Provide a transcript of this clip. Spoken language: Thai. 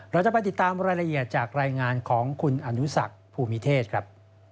เราจะไปติดตามรายละเอียดจากรายงานของคุณอนุสักภูมิเทศครับ